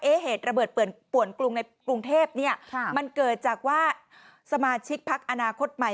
เหตุระเบิดป่วนกรุงในกรุงเทพเนี่ยมันเกิดจากว่าสมาชิกพักอนาคตใหม่